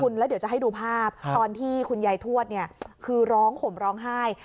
แล้วเดี๋ยวจะให้ดูภาพตอนที่คุณยายทวดเนี่ยคือร้องห่มร้องไห้